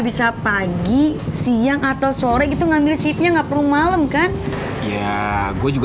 berkat doa lo juga